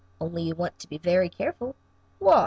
Only you want to be very careful." "Why?"